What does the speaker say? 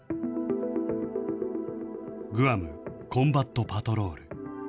グアム・コンバット・パトロール。